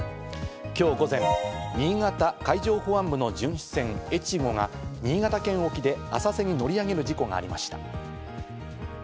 今日午前、新潟海上保安部の巡視船「えちご」が新潟県沖で浅瀬に乗り上げる事故がありました。